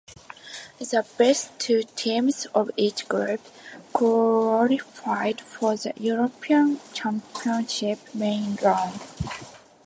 The best two teams of each group qualified for the European Championship main round.